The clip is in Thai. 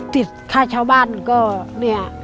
ติดค่าชาวบ้านก็เนี่ย